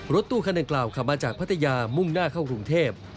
รถตู้คันดังกล่าวขับมาจากพัทยามุ่งหน้าเข้ากรุงเทพ